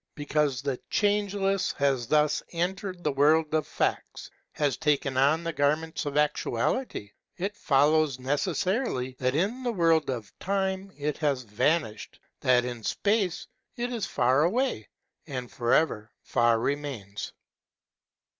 Because the Changeless has thus entered the world of facts, has taken on the garments of actuality, it follows necessarily that in the world of time it has vanished, that in space it is far away, and forever far remains.